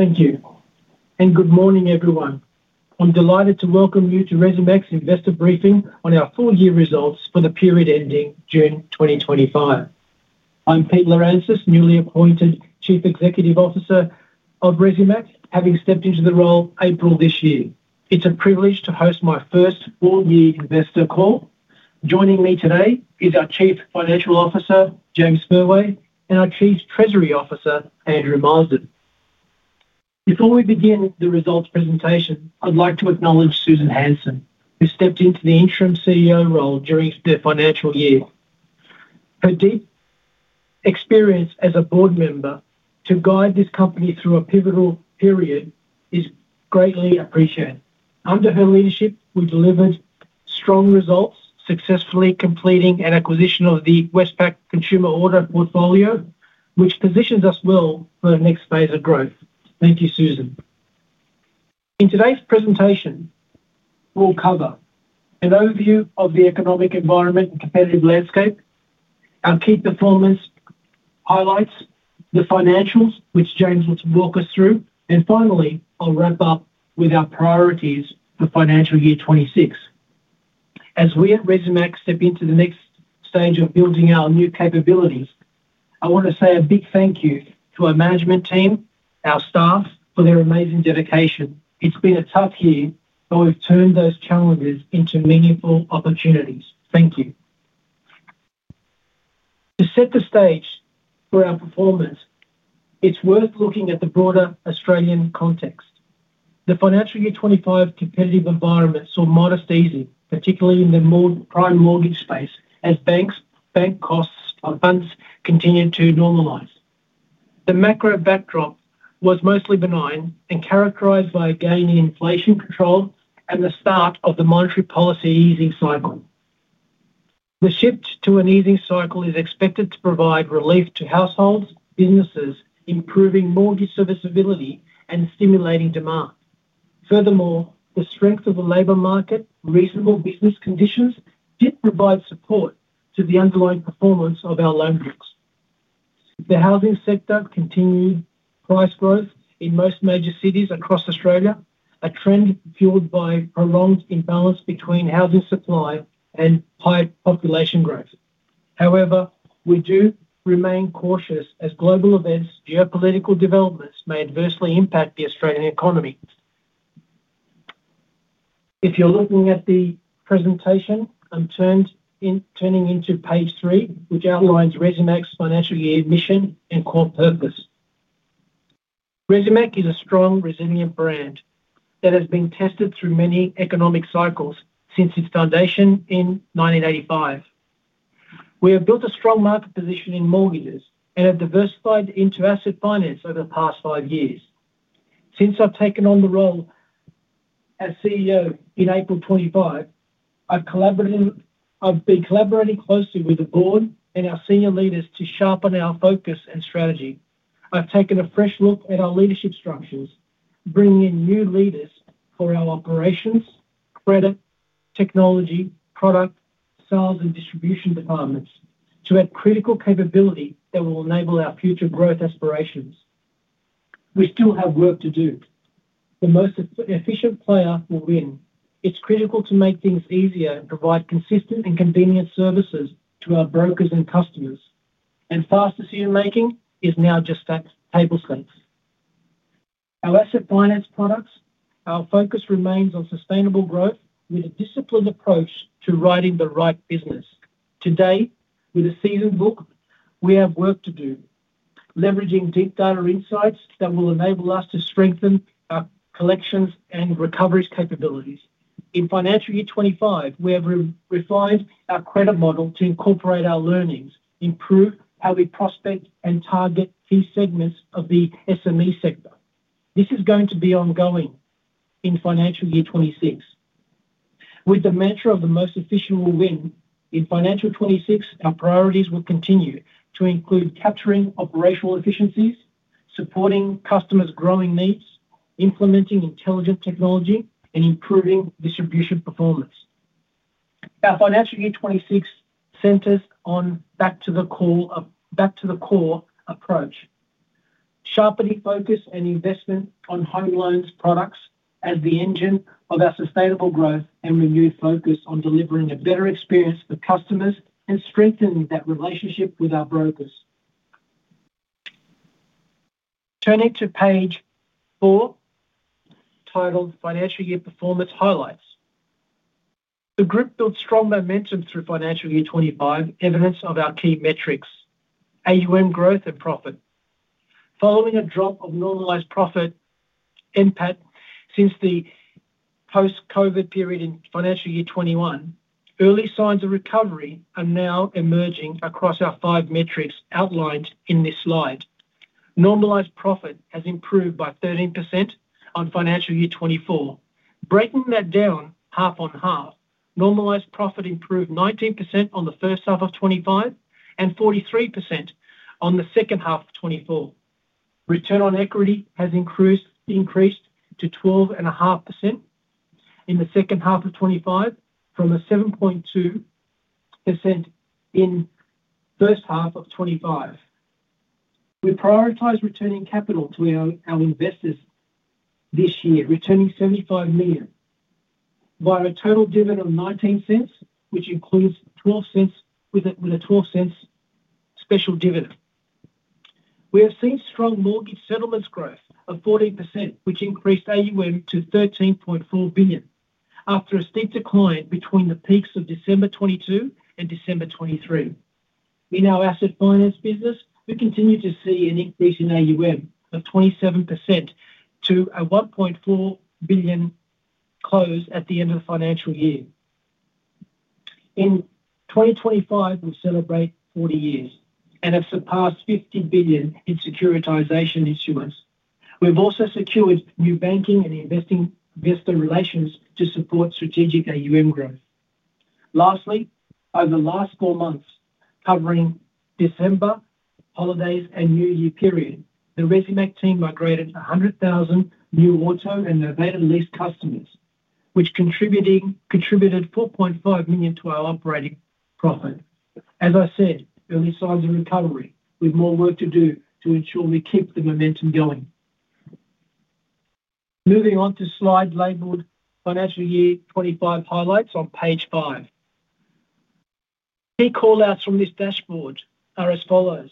Thank you, and good morning, everyone. I'm delighted to welcome you to Resimac Group Ltd's investor briefing on our full-year results for the period ending June 2025. I'm Pete Lirantzis, newly appointed Chief Executive Officer of Resimac, having stepped into the role in April of this year. It's a privilege to host my first full-year investor call. Joining me today is our Chief Financial Officer, James Spurway, and our Chief Treasury Officer, Andrew Marsden. Before we begin the results presentation, I'd like to acknowledge Susan Hansen, who stepped into the interim CEO role during the financial year. Her deep experience as a board member to guide this company through a pivotal period is greatly appreciated. Under her leadership, we delivered strong results, successfully completing an acquisition of the Westpac Consumer Auto portfolio, which positions us well for the next phase of growth. Thank you, Susan. In today's presentation, we'll cover an overview of the economic environment and competitive landscape, our key performance highlights, the financials, which James will walk us through, and finally, I'll wrap up with our priorities for financial year 2026. As we at Resimac Group Ltd step into the next stage of building our new capabilities, I want to say a big thank you to our management team and our staff for their amazing dedication. It's been a tough year, but we've turned those challenges into meaningful opportunities. Thank you. To set the stage for our performance, it's worth looking at the broader Australian context. The financial year 2025 competitive environment saw modest easing, particularly in the prime mortgage space, as bank costs and funds continued to normalize. The macro backdrop was mostly benign and characterized by a gain in inflation control and the start of the monetary policy easing cycle. The shift to an easing cycle is expected to provide relief to households and businesses, improving mortgage serviceability and stimulating demand. Furthermore, the strength of the labor market and reasonable business conditions did provide support to the underlying performance of our loan groups. The housing sector continued price growth in most major cities across Australia, a trend fueled by a prolonged imbalance between housing supply and high population growth. However, we do remain cautious as global events and geopolitical developments may adversely impact the Australian economy. If you're looking at the presentation, I'm turning to page three, which outlines Resimac's financial year mission and core purpose. Resimac Group Ltd is a strong, resilient brand that has been tested through many economic cycles since its foundation in 1985. We have built a strong market position in mortgages and have diversified into asset finance over the past five years. Since I've taken on the role as CEO in April 2025, I've been collaborating closely with the board and our senior leaders to sharpen our focus and strategy. I've taken a fresh look at our leadership structures, bringing in new leaders for our operations, credit, technology, product, sales, and distribution departments to add critical capability that will enable our future growth aspirations. We still have work to do. The most efficient player will win. It's critical to make things easier and provide consistent and convenient services to our brokers and customers. Fast decision-making is now just at table stakes. For our asset finance products, our focus remains on sustainable growth with a disciplined approach to writing the right business. Today, with a seasoned book, we have work to do, leveraging deep data insights that will enable us to strengthen our collections and recovery capabilities. In financial year 2025, we have refined our credit model to incorporate our learnings, improve how we prospect and target key segments of the small and medium enterprise finance sector. This is going to be ongoing in financial year 2026. With the mantra of the most efficient will win, in financial year 2026, our priorities will continue to include capturing operational efficiencies, supporting customers' growing needs, implementing intelligent technology, and improving distribution performance. Our financial year 2026 centers on a back-to-the-core approach. Sharpening focus and investment on home loans products is the engine of our sustainable growth and renewed focus on delivering a better experience for customers and strengthening that relationship with our brokers. Turning to page four, titled Financial Year Performance Highlights. The group built strong momentum through financial year 2025, evidence of our key metrics, assets under management (AUM) growth and profit. Following a drop of normalised profit impact since the post-COVID period in financial year 2021, early signs of recovery are now emerging across our five metrics outlined in this slide. Normalised profit has improved by 13% on financial year 2024. Breaking that down half on half, normalised profit improved 19% on the first half of 2025 and 43% on the second half of 2024. Return on equity has increased to 12.5% in the second half of 2025 from 7.2% in the first half of 2025. We prioritise returning capital to our investors this year, returning $75 million via a total dividend of $0.19, which includes a $0.12 special dividend. We have seen strong mortgage settlements growth of 14%, which increased AUM to $13.4 billion after a steep decline between the peaks of December 2022 and December 2023. In our asset finance business, we continue to see an increase in AUM of 27% to a $1.4 billion close at the end of the financial year. In 2025, we celebrate 40 years and have surpassed $50 billion in securitisation issuance. We've also secured new banking and investor relations to support strategic AUM growth. Lastly, over the last four months, covering December, holidays, and New Year period, the Resimac team migrated 100,000 new auto and novated lease customers, which contributed $4.5 million to our operating profit. As I said, early signs of recovery, with more work to do to ensure we keep the momentum going. Moving on to the slide labelled Financial Year 2025 Highlights on page five. Key call-outs from this dashboard are as follows.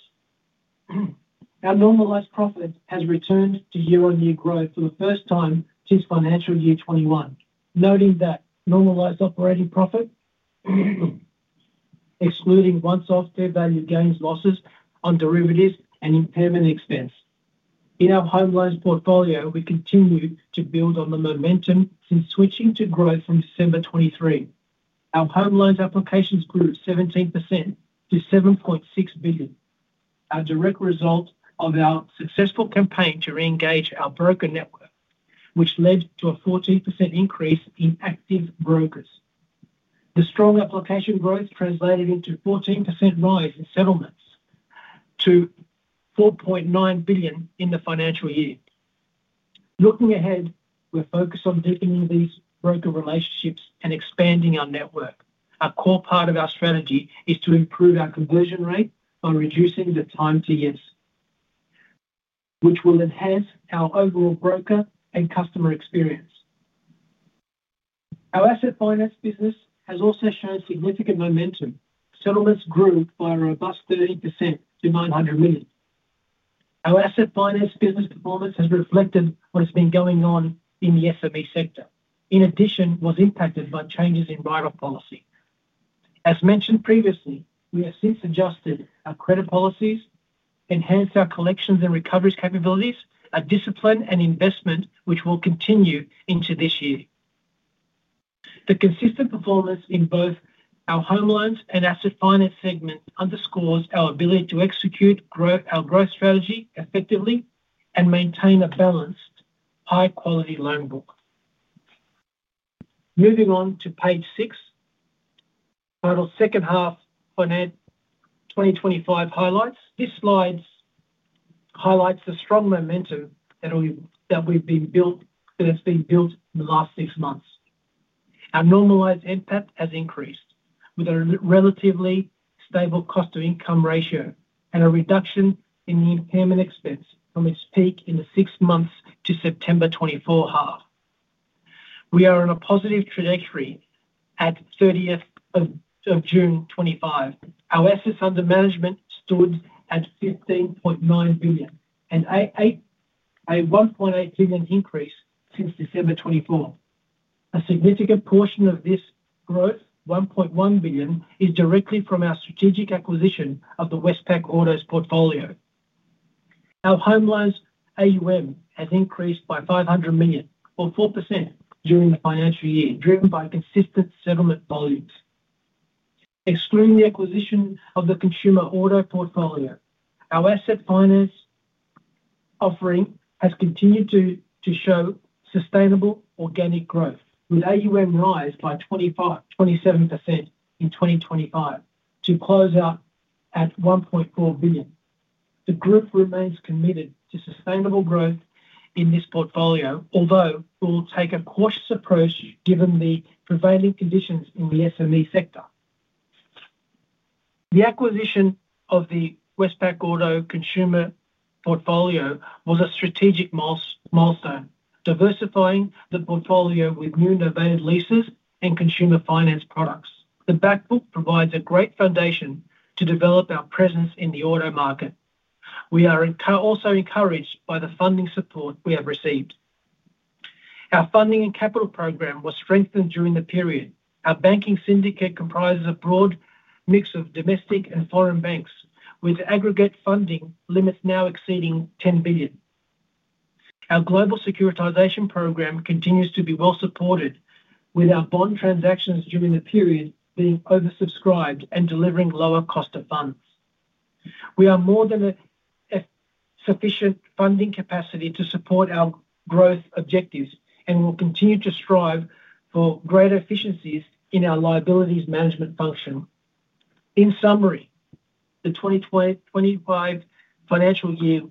Our normalised profit has returned to year-on-year growth for the first time since financial year 2021, noting that normalised operating profit, excluding once-off fair value gains and losses on derivatives and impairment expense. In our home loans portfolio, we continue to build on the momentum since switching to growth from December 2023. Our home loans applications grew 17% to $7.6 billion, a direct result of our successful campaign to re-engage our broker network, which led to a 14% increase in active brokers. The strong application growth translated into a 14% rise in settlements to $4.9 billion in the financial year. Looking ahead, we're focused on deepening these broker relationships and expanding our network. A core part of our strategy is to improve our conversion rate by reducing the time to use, which will enhance our overall broker and customer experience. Our asset finance business has also shown significant momentum. Settlements grew by a robust 30% to $900 million. Our asset finance business performance has reflected what has been going on in the SME sector. In addition, it was impacted by changes in borrower policy. As mentioned previously, we have since adjusted our credit policies, enhanced our collections and recovery capabilities, a discipline and investment which will continue into this year. The consistent performance in both our home loans and asset finance segment underscores our ability to execute our growth strategy effectively and maintain a balanced, high-quality loan book. Moving on to page six, titled Second Half Finance 2025 Highlights. This slide highlights the strong momentum that has been built in the last six months. Our normalised impact has increased with a relatively stable cost-to-income ratio and a reduction in the impairment expense from its peak in the six months to September 2024 half. We are on a positive trajectory at 30th of June 2025. Our assets under management stood at $15.9 billion, a $1.8 billion increase since December 2024. A significant portion of this growth, $1.1 billion, is directly from our strategic acquisition of the Westpac Consumer Auto portfolio. Our home loans AUM has increased by $500 million, or 4%, during the financial year, driven by consistent settlement volumes. Excluding the acquisition of the Westpac Consumer Auto portfolio, our asset finance offering has continued to show sustainable organic growth, with AUM rise by 25%-27% in 2025 to close out at $1.4 billion. The group remains committed to sustainable growth in this portfolio, although we will take a cautious approach given the prevailing conditions in the SME sector. The acquisition of the Westpac Consumer Auto portfolio was a strategic milestone, diversifying the portfolio with new and elevated leases and consumer finance products. The backbook provides a great foundation to develop our presence in the auto market. We are also encouraged by the funding support we have received. Our funding and capital program was strengthened during the period. Our banking syndicate comprises a broad mix of domestic and foreign banks, with aggregate funding limits now exceeding $10 billion. Our global securitisation program continues to be well supported, with our bond transactions during the period being oversubscribed and delivering lower cost of funds. We are more than a sufficient funding capacity to support our growth objectives, and we will continue to strive for greater efficiencies in our liabilities management function. In summary, the 2025 financial year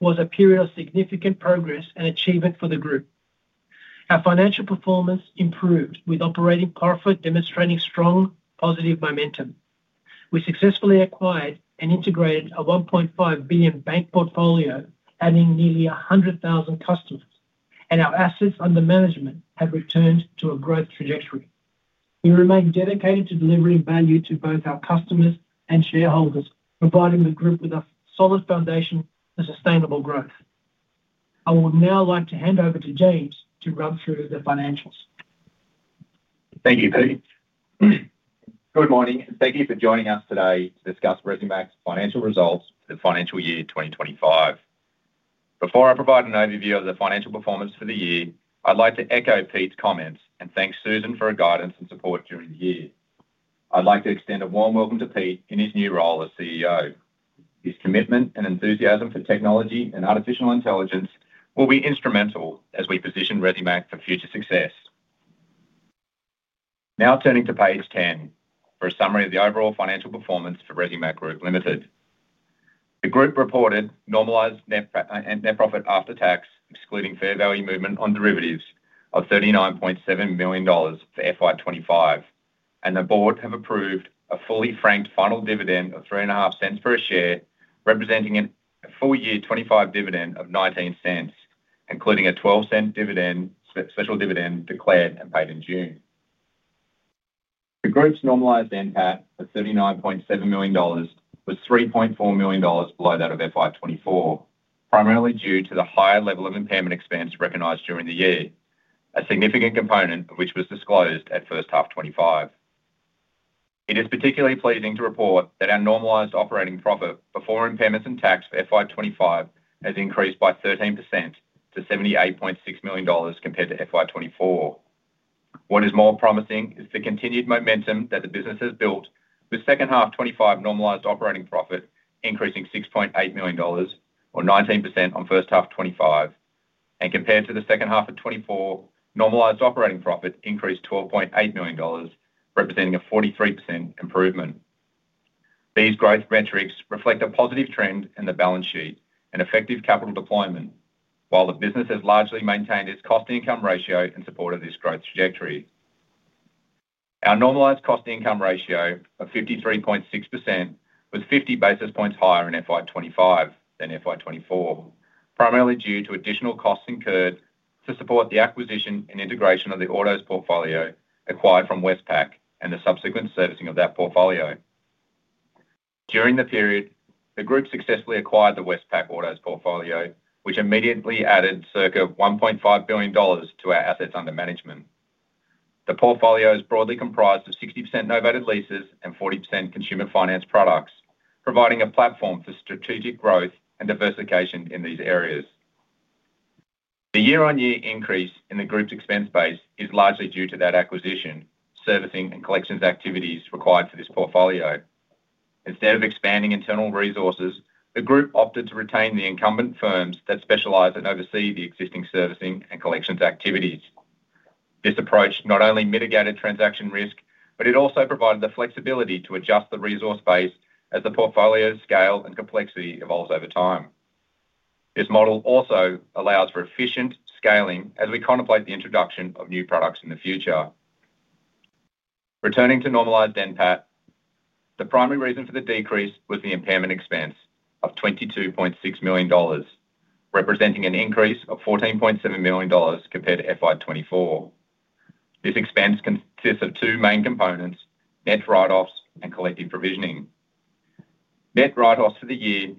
was a period of significant progress and achievement for the group. Our financial performance improved, with operating profit demonstrating strong, positive momentum. We successfully acquired and integrated a $1.5 billion bank portfolio, adding nearly 100,000 customers, and our assets under management have returned to a growth trajectory. We remain dedicated to delivering value to both our customers and shareholders, providing the group with a solid foundation for sustainable growth. I would now like to hand over to James to run through the financials. Thank you, Pete. Good morning, and thank you for joining us today to discuss Resimac's financial results for the financial year 2025. Before I provide an overview of the financial performance for the year, I'd like to echo Pete's comments and thank Susan for her guidance and support during the year. I'd like to extend a warm welcome to Pete in his new role as CEO. His commitment and enthusiasm for technology and artificial intelligence will be instrumental as we position Resimac for future success. Now turning to page 10 for a summary of the overall financial performance for Resimac Group Ltd. The group reported normalised net profit after tax, excluding fair value movement on derivatives, of $39.7 million for FY25, and the board has approved a fully franked final dividend of $0.03 per share, representing a full-year 2025 dividend of $0.19, including a $0.12 special dividend declared and paid in June. The group's normalised net profit at $39.7 million was $3.4 million below that of FY24, primarily due to the higher level of impairment expense recognized during the year, a significant component of which was disclosed at first half 2025. It is particularly pleasing to report that our normalised operating profit before impairments and tax for FY25 has increased by 13% to $78.6 million compared to FY24. What is more promising is the continued momentum that the business has built, with second half 2025 normalised operating profit increasing $6.8 million, or 19% on first half 2025, and compared to the second half of 2024, normalised operating profit increased to $12.8 million, representing a 43% improvement. These growth metrics reflect a positive trend in the balance sheet and effective capital deployment, while the business has largely maintained its cost-to-income ratio in support of this growth trajectory. Our normalised cost-to-income ratio of 53.6% was 50 basis points higher in FY25 than FY24, primarily due to additional costs incurred to support the acquisition and integration of the autos portfolio acquired from Westpac and the subsequent servicing of that portfolio. During the period, the group successfully acquired the Westpac Consumer Auto portfolio, which immediately added circa $1.5 billion to our assets under management. The portfolio is broadly comprised of 60% novated leases and 40% consumer finance products, providing a platform for strategic growth and diversification in these areas. The year-on-year increase in the group's expense base is largely due to that acquisition, servicing, and collections activities required for this portfolio. Instead of expanding internal resources, the group opted to retain the incumbent firms that specialize and oversee the existing servicing and collections activities. This approach not only mitigated transaction risk, but it also provided the flexibility to adjust the resource base as the portfolio's scale and complexity evolves over time. This model also allows for efficient scaling as we contemplate the introduction of new products in the future. Returning to normalised net profit, the primary reason for the decrease was the impairment expense of $22.6 million, representing an increase of $14.7 million compared to FY2024. This expense consists of two main components: net write-offs and collective provisioning. Net write-offs for the year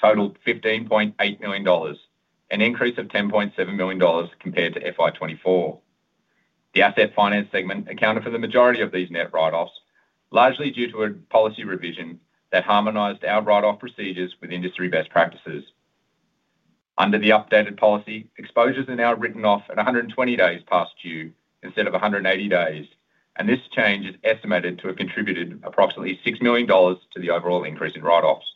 totaled $15.8 million, an increase of $10.7 million compared to FY2024. The asset finance segment accounted for the majority of these net write-offs, largely due to a policy revision that harmonized our write-off procedures with industry best practices. Under the updated policy, exposures are now written off at 120 days past due instead of 180 days, and this change is estimated to have contributed approximately $6 million to the overall increase in write-offs.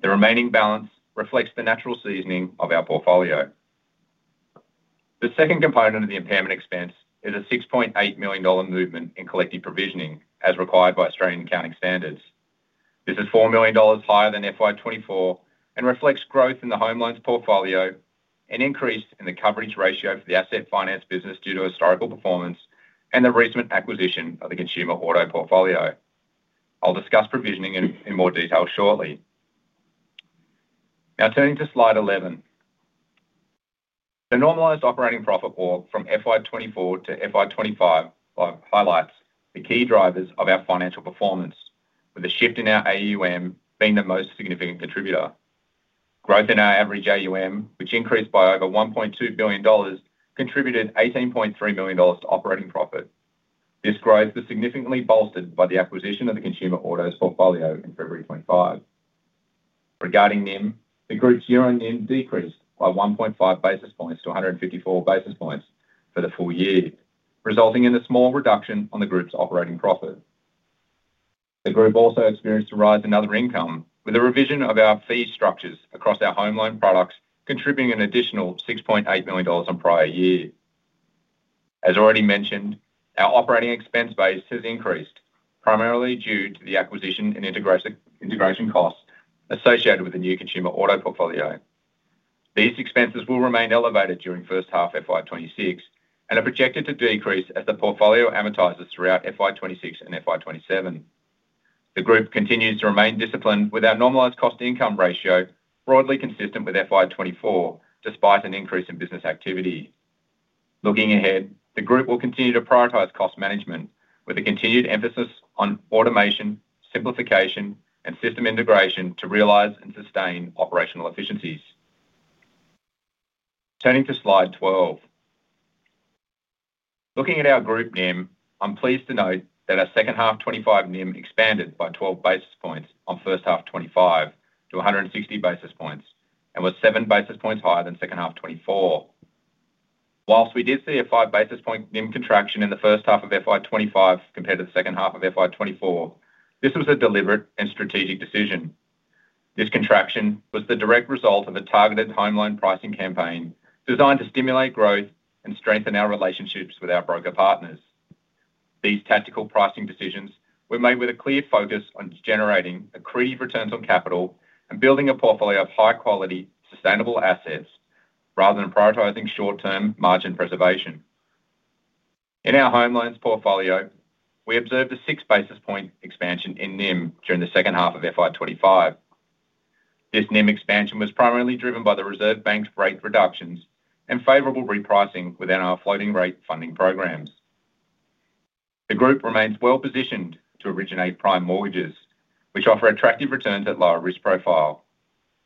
The remaining balance reflects the natural seasoning of our portfolio. The second component of the impairment expense is a $6.8 million movement in collective provisioning as required by Australian accounting standards. This is $4 million higher than FY2024 and reflects growth in the home loans portfolio, an increase in the coverage ratio for the asset finance business due to historical performance, and the recent acquisition of the Westpac Consumer Auto portfolio. I'll discuss provisioning in more detail shortly. Now turning to slide 11, the normalised operating profit walk from FY2024 to FY2025 highlights the key drivers of our financial performance, with a shift in our AUM being the most significant contributor. Growth in our average AUM, which increased by over $1.2 billion, contributed $18.3 million to operating profit. This growth was significantly bolstered by the acquisition of the Westpac Consumer Auto portfolio in February 2025. Regarding NIM, the group's year-on-year NIM decreased by 1.5 basis points to 154 basis points for the full year, resulting in a small reduction on the group's operating profit. The group also experienced a rise in other income with a revision of our fee structures across our home loan products, contributing an additional $6.8 million on prior years. As already mentioned, our operating expense base has increased, primarily due to the acquisition and integration costs associated with the new Westpac Consumer Auto portfolio. These expenses will remain elevated during first half FY2026 and are projected to decrease as the portfolio amortizes throughout FY2026 and FY2027. The group continues to remain disciplined with our normalised cost-to-income ratio, broadly consistent with FY2024, despite an increase in business activity. Looking ahead, the group will continue to prioritize cost management, with a continued emphasis on automation, simplification, and system integration to realize and sustain operational efficiencies. Turning to slide 12, looking at our group NIM, I'm pleased to note that our second half 2025 NIM expanded by 12 basis points on first half 2025 to 160 basis points and was seven basis points higher than second half 2024. Whilst we did see a five basis point NIM contraction in the first half of FY2025 compared to the second half of FY2024, this was a deliberate and strategic decision. This contraction was the direct result of a targeted timeline pricing campaign designed to stimulate growth and strengthen our relationships with our broker partners. These tactical pricing decisions were made with a clear focus on generating accretive returns on capital and building a portfolio of high-quality, sustainable assets rather than prioritizing short-term margin preservation. In our home loans portfolio, we observed a six basis point expansion in NIM during the second half of FY25. This NIM expansion was primarily driven by the Reserve Bank's rate reductions and favorable repricing within our floating rate funding programs. The group remains well positioned to originate prime mortgages, which offer attractive returns at a lower risk profile.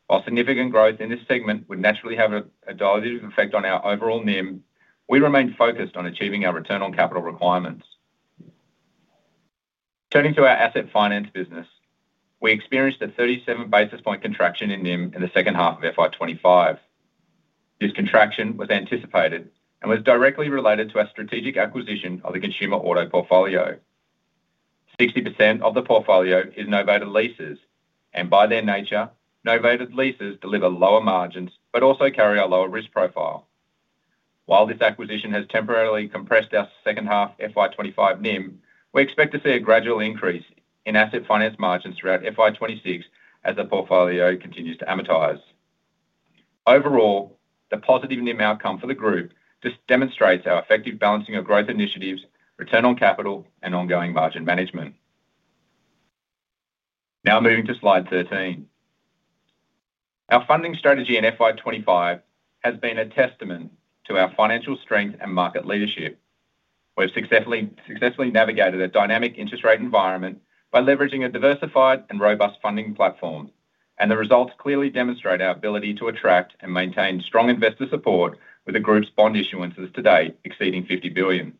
While significant growth in this segment would naturally have a diluted effect on our overall NIM, we remain focused on achieving our return on capital requirements. Turning to our asset finance business, we experienced a 37 basis point contraction in NIM in the second half of FY2025. This contraction was anticipated and was directly related to our strategic acquisition of the Westpac Consumer Auto portfolio. 60% of the portfolio is in novated leases, and by their nature, novated leases deliver lower margins but also carry a lower risk profile. While this acquisition has temporarily compressed our second half FY25 NIM, we expect to see a gradual increase in asset finance margins throughout FY26 as the portfolio continues to amortize. Overall, the positive NIM outcome for the group demonstrates our effective balancing of growth initiatives, return on capital, and ongoing margin management. Now moving to slide 13, our funding strategy in FY25 has been a testament to our financial strength and market leadership. We've successfully navigated a dynamic interest rate environment by leveraging a diversified and robust funding platform, and the results clearly demonstrate our ability to attract and maintain strong investor support with the group's bond issuances to date exceeding $50 billion.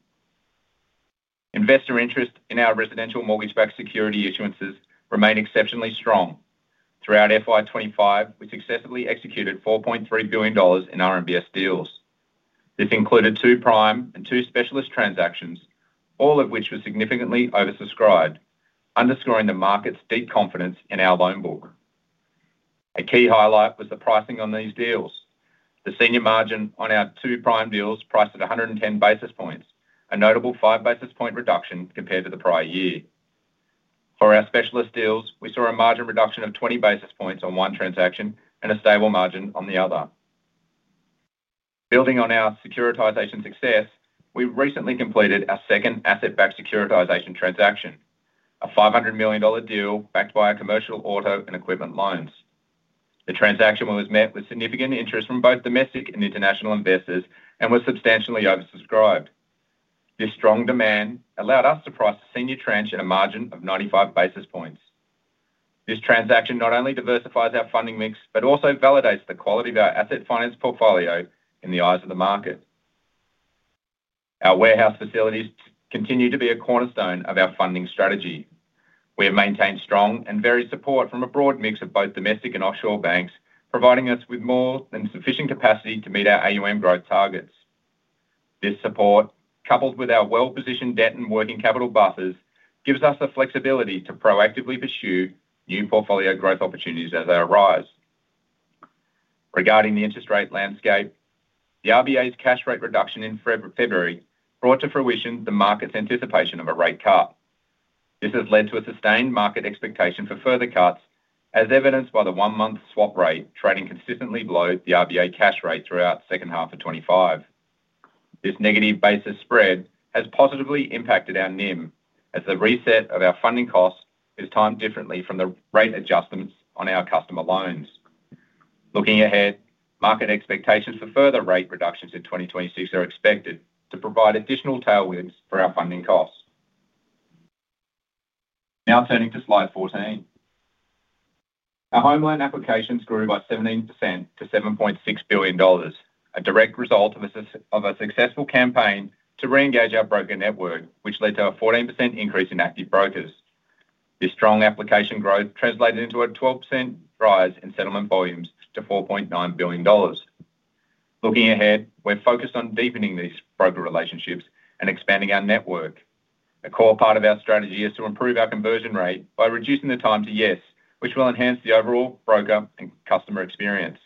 Investor interest in our residential mortgage-backed securities issuances remains exceptionally strong. Throughout FY25, we successfully executed $4.3 billion in RMBS deals. This included two prime and two specialist transactions, all of which were significantly oversubscribed, underscoring the market's deep confidence in our loan book. A key highlight was the pricing on these deals. The senior margin on our two prime deals priced at 110 basis points, a notable five basis point reduction compared to the prior year. For our specialist deals, we saw a margin reduction of 20 basis points on one transaction and a stable margin on the other. Building on our securitisation success, we recently completed our second asset-backed securitisation transaction, a $500 million deal backed by commercial auto and equipment loans. The transaction was met with significant interest from both domestic and international investors and was substantially oversubscribed. This strong demand allowed us to price the senior tranche at a margin of 95 basis points. This transaction not only diversifies our funding mix but also validates the quality of our asset finance portfolio in the eyes of the market. Our warehouse facilities continue to be a cornerstone of our funding strategy. We have maintained strong and varied support from a broad mix of both domestic and offshore banks, providing us with more than sufficient capacity to meet our AUM growth targets. This support, coupled with our well-positioned debt and working capital buffers, gives us the flexibility to proactively pursue new portfolio growth opportunities as they arise. Regarding the interest rate landscape, the RBA's cash rate reduction in February brought to fruition the market's anticipation of a rate cut. This has led to a sustained market expectation for further cuts, as evidenced by the one-month swap rate trading consistently below the RBA cash rate throughout the second half of 2025. This negative basis spread has positively impacted our NIM, as the reset of our funding costs is timed differently from the rate adjustments on our customer loans. Looking ahead, market expectations for further rate reductions in 2026 are expected to provide additional tailwinds for our funding costs. Now turning to slide 14, our home loan applications grew by 17% to $7.6 billion, a direct result of a successful campaign to re-engage our broker network, which led to a 14% increase in active brokers. This strong application growth translated into a 12% rise in settlement volumes to $4.9 billion. Looking ahead, we're focused on deepening these broker relationships and expanding our network. A core part of our strategy is to improve our conversion rate by reducing the time to yes, which will enhance the overall broker and customer experience.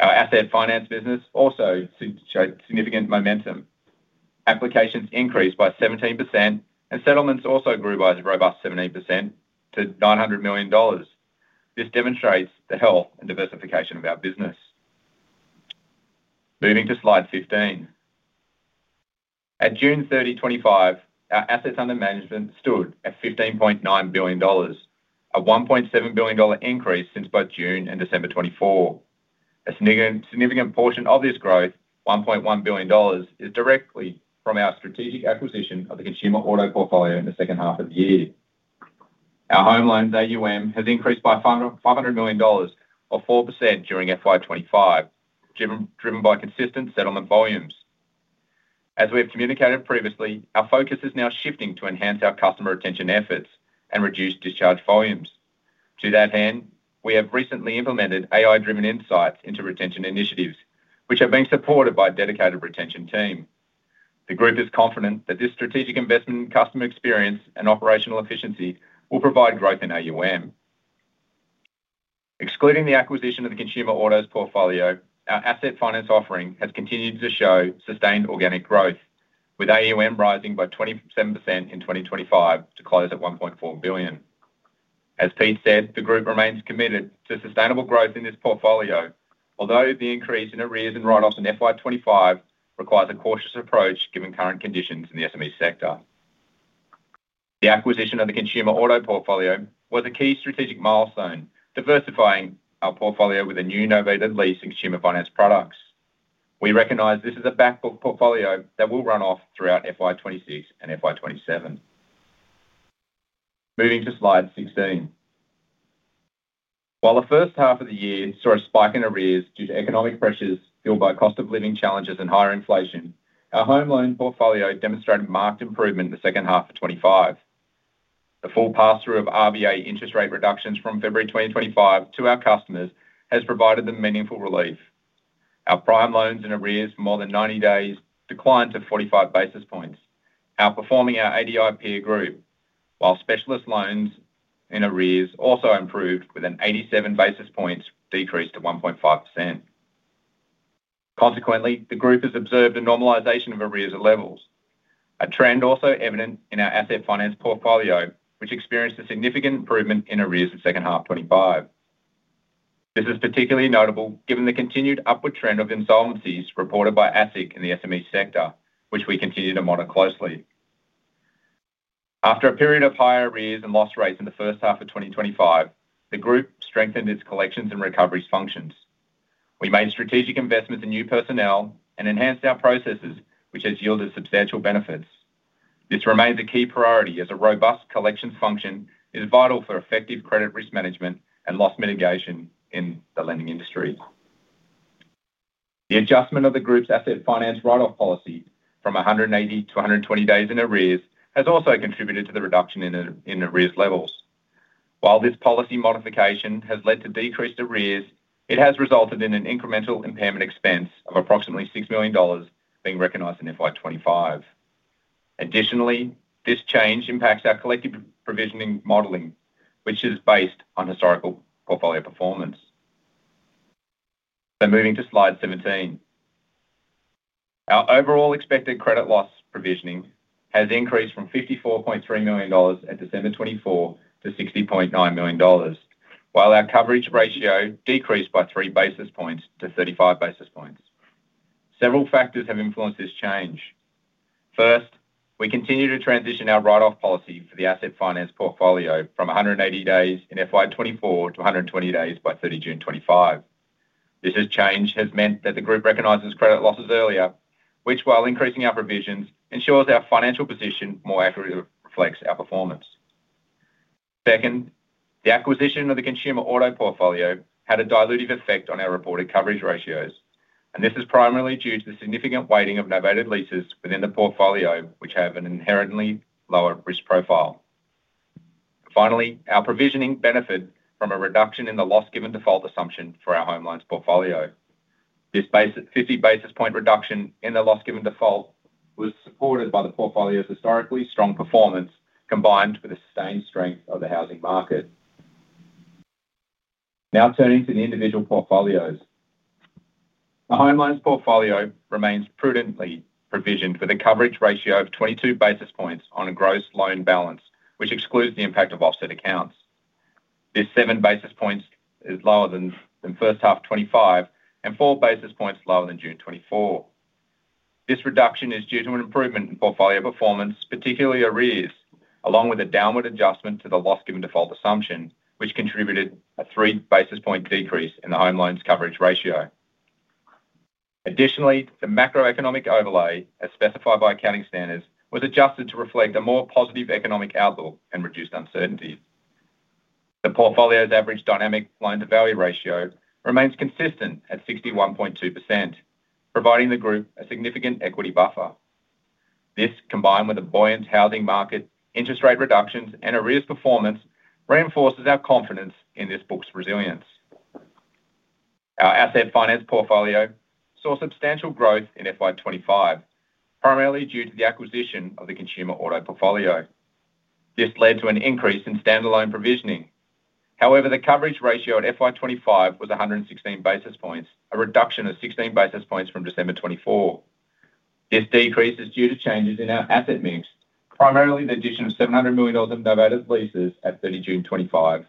Our asset finance business also shows significant momentum. Applications increased by 17%, and settlements also grew by a robust 17% to $900 million. This demonstrates the health and diversification of our business. Moving to slide 15, at June 30, 2025, our assets under management stood at $15.9 billion, a $1.7 billion increase since both June and December 2024. A significant portion of this growth, $1.1 billion, is directly from our strategic acquisition of the Westpac Consumer Auto portfolio in the second half of the year. Our home loans AUM has increased by $500 million, or 4% during FY2025, driven by consistent settlement volumes. As we have communicated previously, our focus is now shifting to enhance our customer retention efforts and reduce discharge volumes. To that end, we have recently implemented AI-driven insights into retention initiatives, which are being supported by a dedicated retention team. The group is confident that this strategic investment in customer experience and operational efficiency will provide growth in AUM. Excluding the acquisition of the Consumer Auto portfolio, our asset finance offering has continued to show sustained organic growth, with AUM rising by 27% in 2025 to close at $1.4 billion. As Pete said, the group remains committed to sustainable growth in this portfolio, although the increase in arrears and write-offs in FY25 requires a cautious approach given current conditions in the SME sector. The acquisition of the Consumer Auto portfolio was a key strategic milestone, diversifying our portfolio with new and elevated lease and consumer finance products. We recognize this is a backbook portfolio that will run off throughout FY26 and FY27. Moving to slide 16, while the first half of the year saw a spike in arrears due to economic pressures fueled by cost of living challenges and higher inflation, our home loan portfolio demonstrated marked improvement in the second half of 2025. The full pass-through of RBA interest rate reductions from February 2025 to our customers has provided them meaningful relief. Our prime loans in arrears more than 90 days declined to 45 basis points, outperforming our ADI peer group, while specialist loans in arrears also improved with an 87 basis points decrease to 1.5%. Consequently, the group has observed a normalization of arrears at levels, a trend also evident in our asset finance portfolio, which experienced a significant improvement in arrears in the second half of 2025. This is particularly notable given the continued upward trend of insolvencies reported by ASIC in the SME sector, which we continue to monitor closely. After a period of higher arrears and loss rates in the first half of 2025, the group strengthened its collections and recovery functions. We made strategic investments in new personnel and enhanced our processes, which has yielded substantial benefits. This remains a key priority as a robust collections function is vital for effective credit risk management and loss mitigation in the lending industry. The adjustment of the group's asset finance write-off policy from 180 to 120 days in arrears has also contributed to the reduction in arrears levels. While this policy modification has led to decreased arrears, it has resulted in an incremental impairment expense of approximately $6 million being recognized in FY25. Additionally, this change impacts our collective provisioning modeling, which is based on historical portfolio performance. Moving to slide 17, our overall expected credit loss provisioning has increased from $54.3 million at December 2024 to $60.9 million, while our coverage ratio decreased by 3 bps to 35 bps. Several factors have influenced this change. First, we continue to transition our write-off policy for the asset finance portfolio from 180 days in FY2024 to 120 days by 30 June 2025. This change has meant that the group recognizes credit losses earlier, which, while increasing our provisions, ensures our financial position more accurately reflects our performance. Second, the acquisition of the Westpac Consumer Auto portfolio had a diluted effect on our reported coverage ratios, and this is primarily due to the significant weighting of elevated leases within the portfolio, which have an inherently lower risk profile. Finally, our provisioning benefited from a reduction in the loss given default assumption for our home loans portfolio. This 50 bps reduction in the loss given default was supported by the portfolio's historically strong performance, combined with a sustained strength of the housing market. Now turning to the individual portfolios, the home loans portfolio remains prudently provisioned with a coverage ratio of 22 bps on a gross loan balance, which excludes the impact of offset accounts. This 7 bps is lower than first half of 2025 and 4 bps lower than June 2024. This reduction is due to an improvement in portfolio performance, particularly arrears, along with a downward adjustment to the loss given default assumption, which contributed to a 3 bps decrease in the home loans coverage ratio. Additionally, the macroeconomic overlay, as specified by accounting standards, was adjusted to reflect a more positive economic outlook and reduced uncertainty. The portfolio's average dynamic loan-to-value ratio remains consistent at 61.2%, providing the group a significant equity buffer. This, combined with a buoyant housing market, interest rate reductions, and arrears performance, reinforces our confidence in this book's resilience. Our asset finance portfolio saw substantial growth in FY25, primarily due to the acquisition of the Westpac Consumer Auto portfolio. This led to an increase in standalone provisioning. However, the coverage ratio at FY25 was 116 bps, a reduction of 16 bps from December 2024. This decrease is due to changes in our asset mix, primarily the addition of $700 million in elevated leases at 30 June 2025,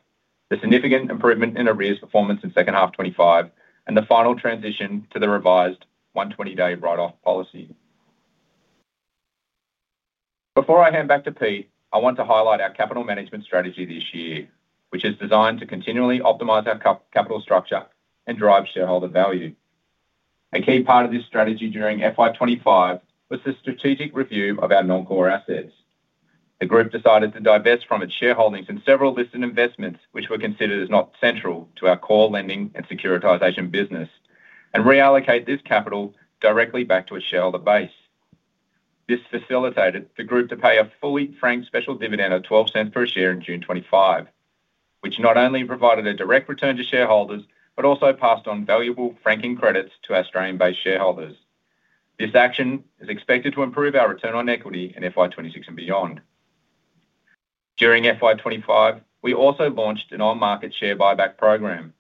the significant improvement in arrears performance in second half 2025, and the final transition to the revised 120-day write-off policy. Before I hand back to Pete, I want to highlight our capital management strategy this year, which is designed to continually optimize our capital structure and drive shareholder value. A key part of this strategy during FY25 was the strategic review of our non-core assets. The group decided to divest from its shareholdings in several listed investments, which were considered as not central to our core lending and securitisation business, and reallocate this capital directly back to its shareholder base. This facilitated the group to pay a fully franked special dividend of $0.12 per share in June 2025, which not only provided a direct return to shareholders but also passed on valuable franking credits to Australian-based shareholders. This action is expected to improve our return on equity in FY2026 and beyond. During FY25, we also launched an on-market share buyback program,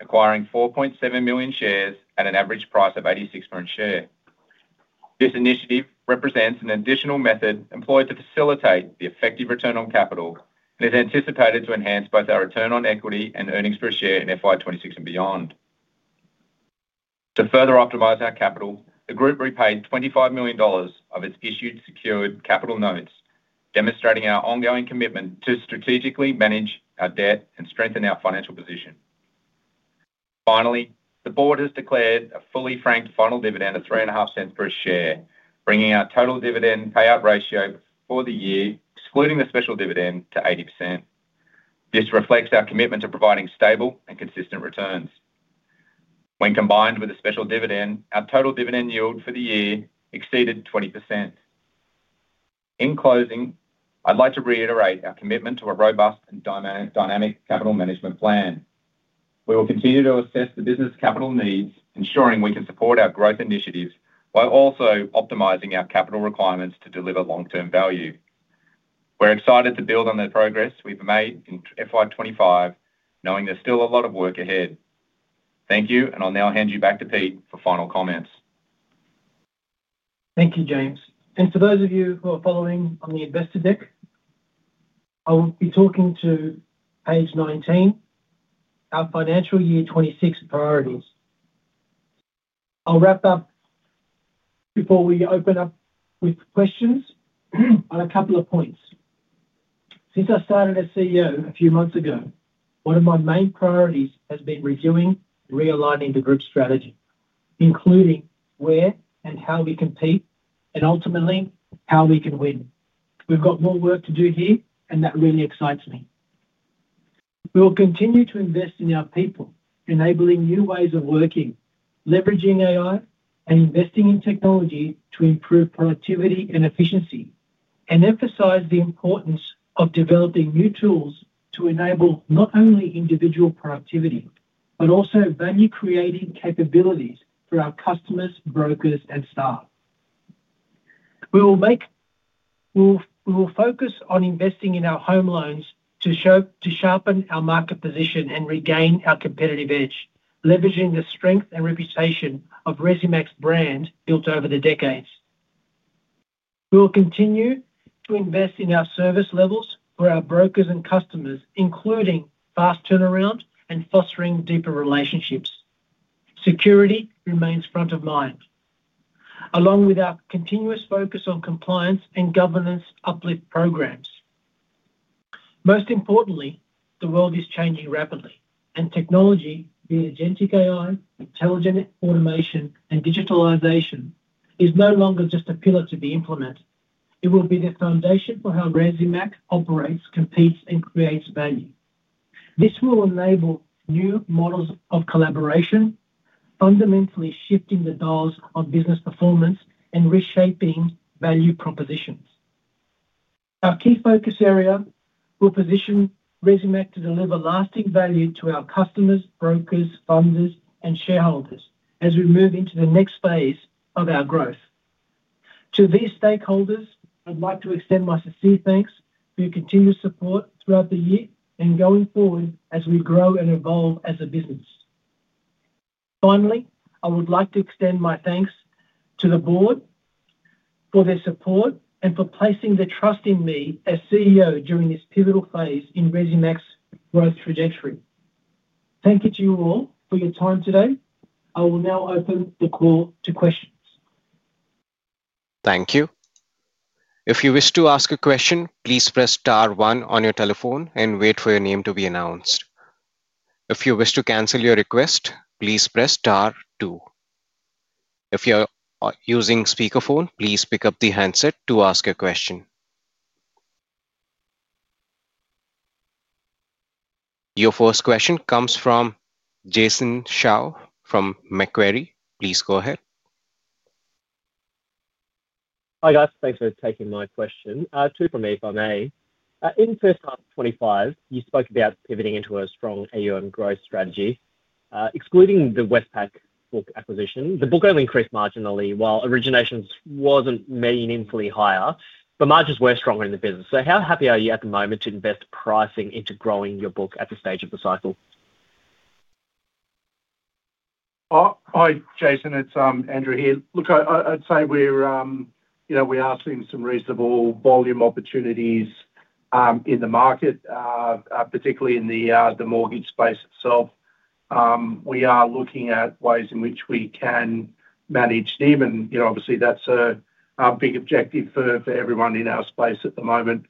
acquiring 4.7 million shares at an average price of $86 per share. This initiative represents an additional method employed to facilitate the effective return on capital and is anticipated to enhance both our return on equity and earnings per share in FY2026 and beyond. To further optimize our capital, the group repaid $25 million of its issued secured capital notes, demonstrating our ongoing commitment to strategically manage our debt and strengthen our financial position. Finally, the board has declared a fully franked final dividend of $0.03 per share, bringing our total dividend payout ratio for the year, excluding the special dividend, to 80%. This reflects our commitment to providing stable and consistent returns. When combined with the special dividend, our total dividend yield for the year exceeded 20%. In closing, I'd like to reiterate our commitment to a robust and dynamic capital management plan. We will continue to assess the business capital needs, ensuring we can support our growth initiatives while also optimizing our capital requirements to deliver long-term value. We're excited to build on the progress we've made in FY2025, knowing there's still a lot of work ahead. Thank you, and I'll now hand you back to Pete for final comments. Thank you, James. For those of you who are following on the Investor Deck, I will be talking to page 19, our financial year 2026 priorities. I'll wrap up before we open up with questions on a couple of points. Since I started as CEO a few months ago, one of my main priorities has been reviewing and realigning the group's strategy, including where and how we compete, and ultimately how we can win. We've got more work to do here, and that really excites me. We will continue to invest in our people, enabling new ways of working, leveraging AI, and investing in technology to improve productivity and efficiency, and emphasize the importance of developing new tools to enable not only individual productivity but also value-creating capabilities for our customers, brokers, and staff. We will focus on investing in our home loans to sharpen our market position and regain our competitive edge, leveraging the strength and reputation of Resimac's brand built over the decades. We will continue to invest in our service levels for our brokers and customers, including fast turnaround and fostering deeper relationships. Security remains front of mind, along with our continuous focus on compliance and governance uplift programs. Most importantly, the world is changing rapidly, and technology via generative AI, intelligent automation, and digitalization is no longer just a pillar to be implemented. It will be the foundation for how Resimac operates, competes, and creates value. This will enable new models of collaboration, fundamentally shifting the dials on business performance and reshaping value propositions. Our key focus area will position Resimac to deliver lasting value to our customers, brokers, funders, and shareholders as we move into the next phase of our growth. To these stakeholders, I'd like to extend my sincere thanks for your continued support throughout the year and going forward as we grow and evolve as a business. Finally, I would like to extend my thanks to the board for their support and for placing the trust in me as CEO during this pivotal phase in Resimac's growth trajectory. Thank you to you all for your time today. I will now open the floor to questions. Thank you. If you wish to ask a question, please press star one on your telephone and wait for your name to be announced. If you wish to cancel your request, please press star two. If you are using speakerphone, please pick up the handset to ask a question. Your first question comes from Jason Shaw from Macquarie. Please go ahead. Hi guys, thanks for taking my question. Two from me, if I may. In first half 2025, you spoke about pivoting into a strong AUM growth strategy. Excluding the Westpac Consumer Auto portfolio acquisition, the book only increased marginally, while originations wasn't meaningfully higher, but margins were stronger in the business. How happy are you at the moment to invest pricing into growing your book at this stage of the cycle? Hi, Jason. It's Andrew here. I'd say we're seeing some reasonable volume opportunities in the market, particularly in the mortgage space itself. We are looking at ways in which we can manage NIM, and obviously that's a big objective for everyone in our space at the moment.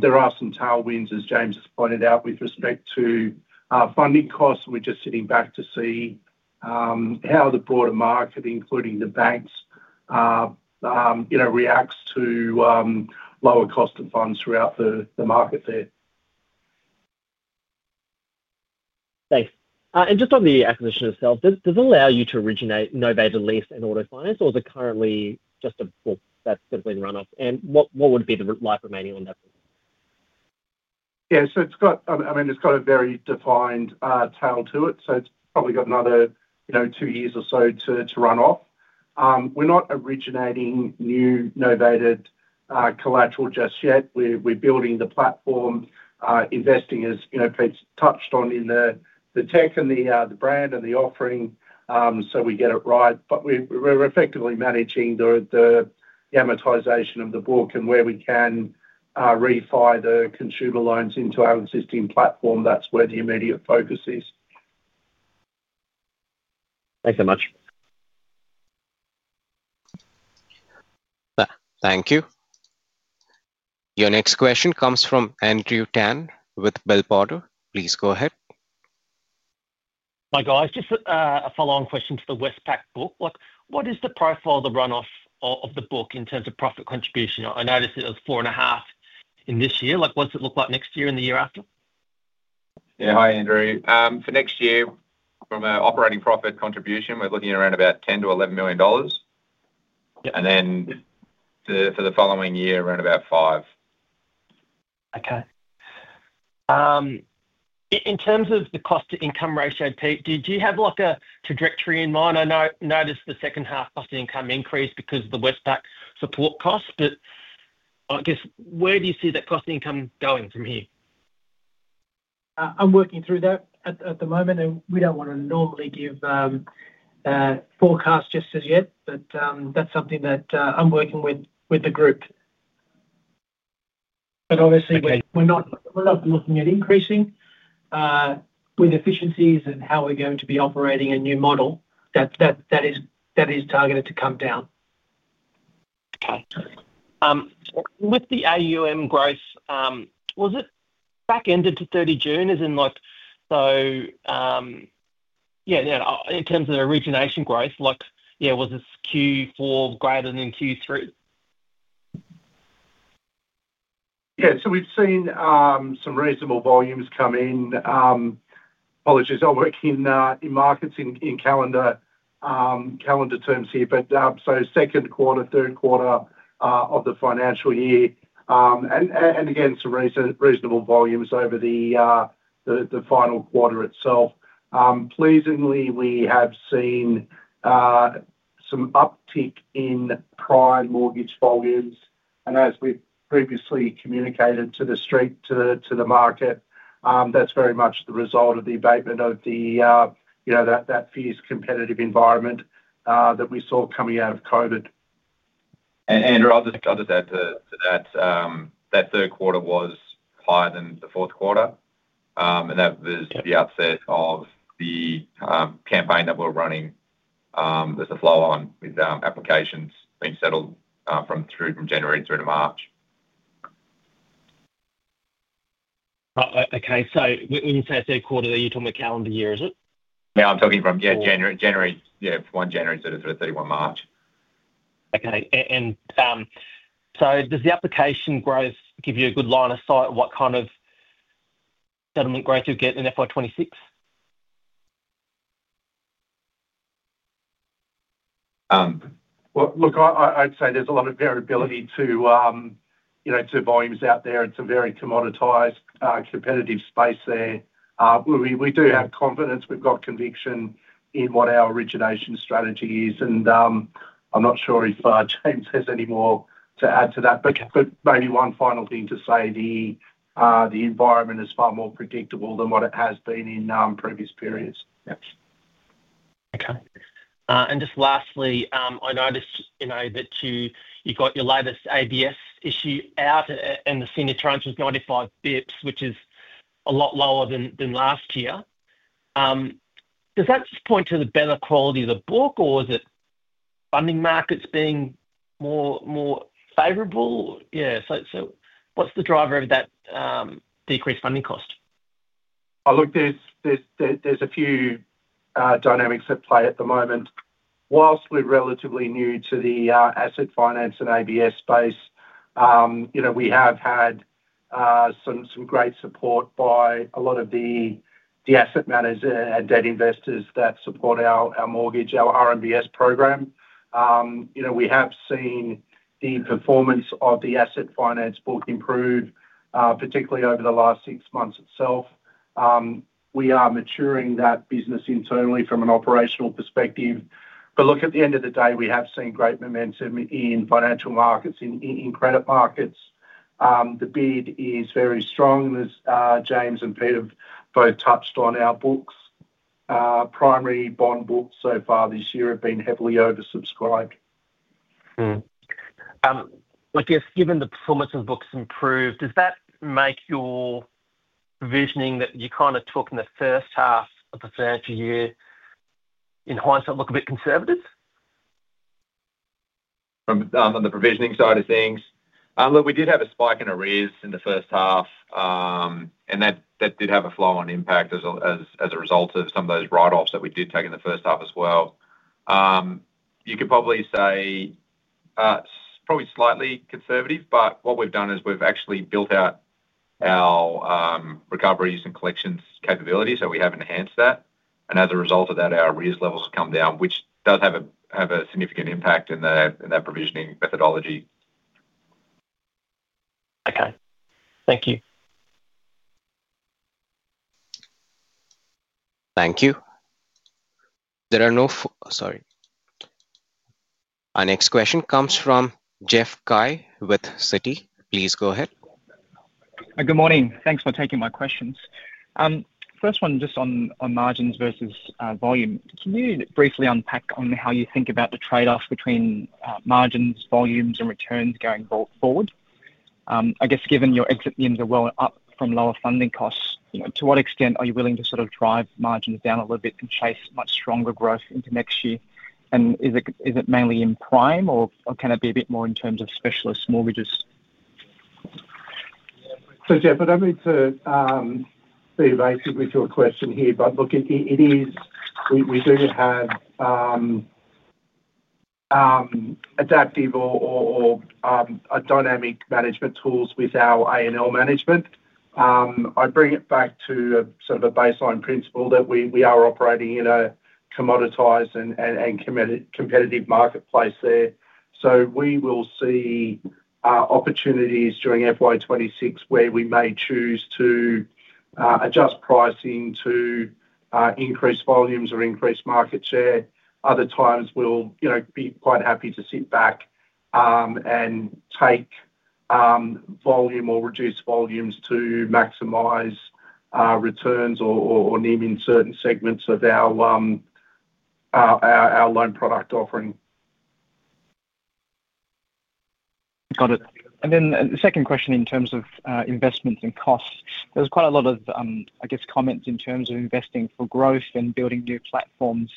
There are some tailwinds, as James has pointed out, with respect to funding costs, and we're just sitting back to see how the broader market, including the banks, reacts to lower cost of funds throughout the market there. Thanks. Just on the acquisition itself, does it allow you to originate a novated lease in auto finance, or is it currently just a, that's going to be the run-off, and what would be the life remaining on that? Yeah, so it's got a very defined tail to it, so it's probably got another two years or so to run off. We're not originating new elevated collateral just yet. We're building the platform, investing as Pete's touched on in the tech and the brand and the offering, so we get it right. We're effectively managing the amortization of the book and where we can refi the consumer loans into our existing platform. That's where the immediate focus is. Thanks so much. Thank you. Your next question comes from Andrew Tan with Bell Potter. Please go ahead. Hi guys, just a follow-on question to the Westpac book. What is the profile of the run-off of the book in terms of profit contribution? I noticed it was $4.5 million in this year. Like, what does it look like next year and the year after? Hi Andrew. For next year, from an operating profit contribution, we're looking at around about $10 million to $11 million. For the following year, around about $5 million. Okay. In terms of the cost-to-income ratio, Pete, do you have like a trajectory in mind? I noticed the second half cost-to-income increased because of the Westpac support costs, but I guess where do you see that cost-to-income going from here? I'm working through that at the moment, and we don't want to normally give forecasts just as yet. That's something that I'm working with the group. Obviously, we're not looking at increasing with efficiencies and how we're going to be operating a new model that is targeted to come down. Okay. With the AUM growth, was it back ended to 30 June, as in, in terms of the origination growth, was this Q4 greater than Q3? Yeah, we've seen some reasonable volumes come in. I'll work in markets in calendar terms here, but second quarter, third quarter of the financial year, and again, some reasonable volumes over the final quarter itself. Pleasingly, we have seen some uptick in prime mortgage volumes, and as we've previously communicated to the market, that's very much the result of the abatement of that fierce competitive environment that we saw coming out of COVID. Andrew, I'll just add to that. That third quarter was higher than the fourth quarter, and that was the upset of the campaign that we're running. There's a flow-on with applications being settled from January through to March. Okay, so when you say a third quarter, are you talking about calendar year, is it? I'm talking from January 1 through March 31. Okay, does the application growth give you a good line of sight of what kind of settlement growth you'll get in FY2026? I’d say there’s a lot of variability to volumes out there. It’s a very commoditised, competitive space. We do have confidence. We’ve got conviction in what our origination strategy is, and I’m not sure if James has any more to add to that, but maybe one final thing to say, the environment is far more predictable than what it has been in previous periods. Okay, and just lastly, I noticed that you got your latest ABS issue out and the senior tranche was 95 bps, which is a lot lower than last year. Does that just point to the better quality of the book, or is it funding markets being more favorable? Yeah, what's the driver of that decreased funding cost? Look, there's a few dynamics at play at the moment. Whilst we're relatively new to the asset finance and ABS space, we have had some great support by a lot of the asset managers and debt investors that support our mortgage, our RMBS program. We have seen the performance of the asset finance book improve, particularly over the last six months itself. We are maturing that business internally from an operational perspective, but at the end of the day, we have seen great momentum in financial markets, in credit markets. The bid is very strong, and as James and Pete have both touched on, our books, primary bond books so far this year have been heavily oversubscribed. Given the performance of the books improved, does that make your provisioning that you kind of took in the first half of the financial year in hindsight look a bit conservative? On the provisioning side of things, we did have a spike in arrears in the first half, and that did have a flow-on impact as a result of some of those write-offs that we did take in the first half as well. You could probably say it's probably slightly conservative, but what we've done is we've actually built out our recoveries and collections capabilities, so we have enhanced that, and as a result of that, our arrears levels have come down, which does have a significant impact in that provisioning methodology. Okay, thank you. Thank you. Our next question comes from Jeff Cai with Citi. Please go ahead. Good morning. Thanks for taking my questions. First one, just on margins versus volume. Can you briefly unpack on how you think about the trade-off between margins, volumes, and returns going forward? I guess given your exit NIMs are well up from lower funding costs, to what extent are you willing to sort of drive margins down a little bit and chase much stronger growth into next year? Is it mainly in prime, or can it be a bit more in terms of specialist mortgages? I don't need to beat a beat of basically to a question here, but look, it is, we do have adaptive or dynamic management tools with our A&L management. I bring it back to a sort of a baseline principle that we are operating in a commoditised and competitive marketplace there. We will see opportunities during FY2026 where we may choose to adjust pricing to increase volumes or increase market share. Other times, we'll be quite happy to sit back and take volume or reduce volumes to maximise returns or NIM in certain segments of our loan product offering. Got it. The second question in terms of investments and costs, there's quite a lot of, I guess, comments in terms of investing for growth and building new platforms.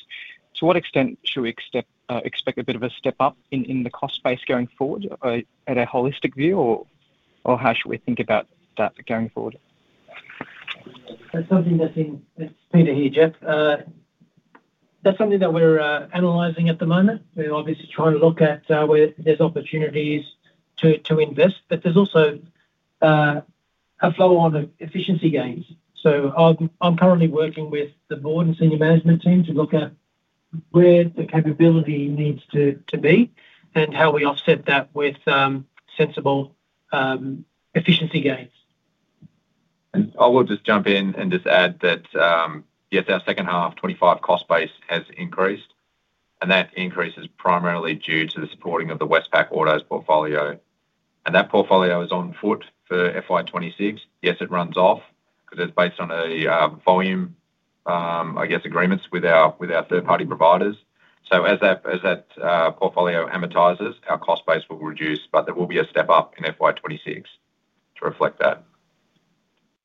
To what extent should we expect a bit of a step up in the cost base going forward at a holistic view, or how should we think about that going forward? That's something that we're analyzing at the moment. We're obviously trying to look at where there's opportunities to invest, but there's also a flow-on efficiency gains. I'm currently working with the Board and senior management team to look at where the capability needs to be and how we offset that with sensible efficiency gains. I will just jump in and add that, yes, our second half 2025 cost base has increased, and that increase is primarily due to the supporting of the Westpac Consumer Auto portfolio. That portfolio is on foot for FY2026. It runs off because it's based on a volume, I guess, agreements with our third-party providers. As that portfolio amortizes, our cost base will reduce, but there will be a step up in FY2026 to reflect that.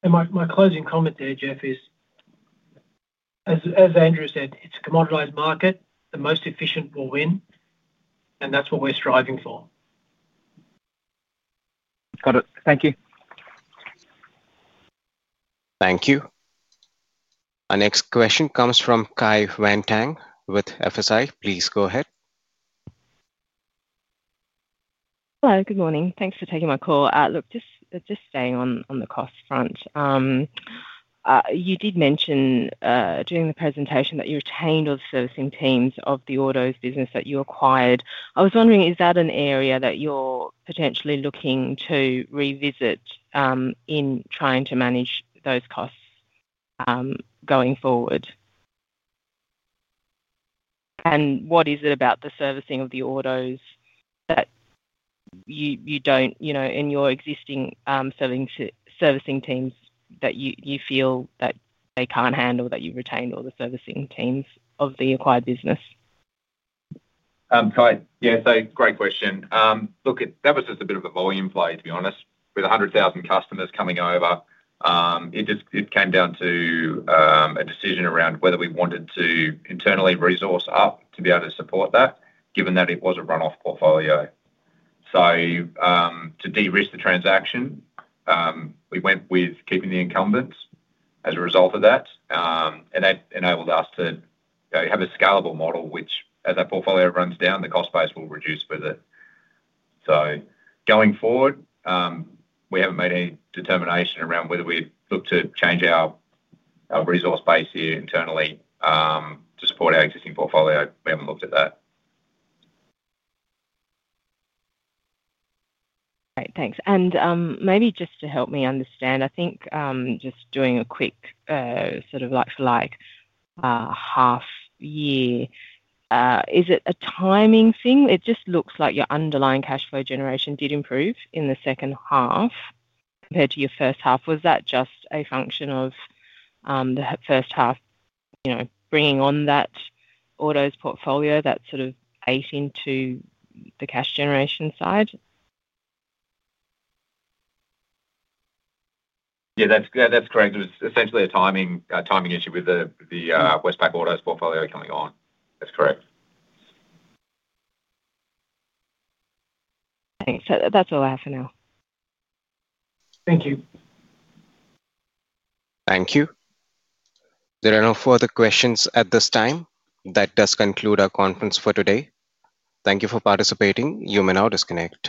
My closing comment there, Jeff, is, as Andrew Marsden said, it's a commoditised market, the most efficient will win, and that's what we're striving for. Got it. Thank you. Thank you. Our next question comes from Kai Wentang with FSA. Please go ahead. Hi, good morning. Thanks for taking my call. Just staying on the cost front, you did mention during the presentation that you retained all the servicing teams of the autos business that you acquired. I was wondering, is that an area that you're potentially looking to revisit in trying to manage those costs going forward? What is it about the servicing of the autos that you don't, you know, in your existing servicing teams that you feel that they can't handle, that you've retained all the servicing teams of the acquired business? Yeah, great question. Look, that was just a bit of a volume play, to be honest. With 100,000 customers coming over, it just came down to a decision around whether we wanted to internally resource up to be able to support that, given that it was a run-off portfolio. To de-risk the transaction, we went with keeping the incumbents as a result of that, and that enabled us to have a scalable model, which, as that portfolio runs down, the cost base will reduce with it. Going forward, we haven't made any determination around whether we look to change our resource base here internally to support our existing portfolio. We haven't looked at that. Okay, thanks. Maybe just to help me understand, I think just doing a quick sort of like-for-like half year, is it a timing thing? It just looks like your underlying cash flow generation did improve in the second half compared to your first half. Was that just a function of the first half, you know, bringing on that autos portfolio that sort of ate into the cash generation side? Yeah, that's correct. It was essentially a timing issue with the Westpac Consumer Auto portfolio coming on. That's correct. Okay, that's all I have for now. Thank you. Thank you. There are no further questions at this time. That does conclude our conference for today. Thank you for participating. You may now disconnect.